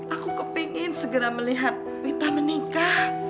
aku kepingin segera melihat wita menikah